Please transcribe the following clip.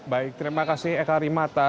baik terima kasih eka rimata